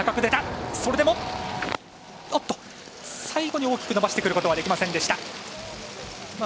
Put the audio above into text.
最後に大きく伸ばしてくることはできませんでした。